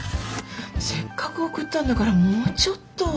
せっかく送ったんだからもうちょっと。